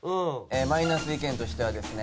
マイナス意見としてはですね。